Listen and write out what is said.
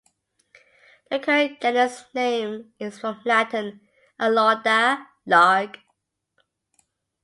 The current genus name is from Latin "alauda", "lark".